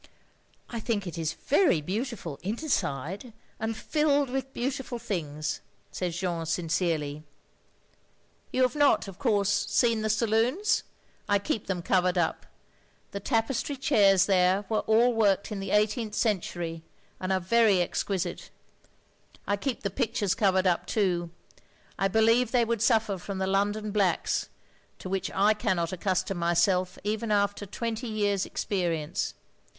"I think it is very beautiful inside, and filled with beautiful things," said Jeanne sincerely. 22 THE LONELY LADY "You have not, of cotirse, seen the saloons? I keep them covered up. The tapestry chairs there were all worked in the eighteenth century, and are very exquisite. I keep the pictures covered up too. I believe they would suffer from the London blacks, to which I cannot accustom myself even after twenty years' experience.